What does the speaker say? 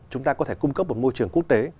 chúng ta có thể cung cấp một môi trường quốc tế